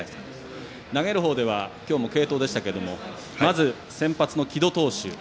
投げるほうでは今日も継投でしたけれどもまず先発の城戸投手